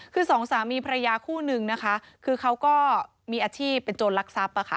คือสองสามีพระยาคู่หนึ่งคือเขาก็มีอาชีพเป็นโจรรักษัพ